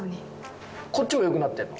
こっちもよくなってるの。